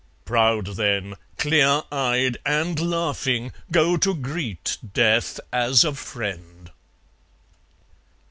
Proud, then, clear eyed and laughing, go to greet Death as a friend!